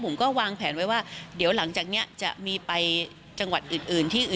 ผมก็วางแผนไว้ว่าเดี๋ยวหลังจากนี้จะมีไปจังหวัดอื่นที่อื่น